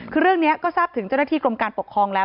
คือเรื่องนี้ก็ทราบถึงเจ้าหน้าที่กรมการปกครองแล้ว